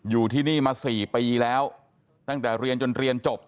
อยู่ที่นี่มา๔ปีแล้วตั้งแต่เรียนจนเรียนจบ